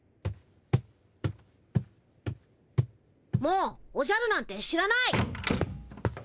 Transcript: もうおじゃるなんて知らない！